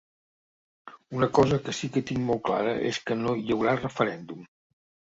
Una cosa que sí que tinc molt clara és que no hi haurà referèndum.